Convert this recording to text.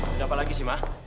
kenapa lagi sih ma